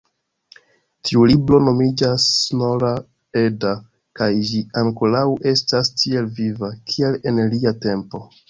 Tiu libro nomiĝas Snorra-Edda kaj ĝi ankoraŭ estas tiel viva, kiel en lia tempo.